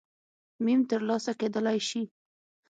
م ترلاسه کېدلای شي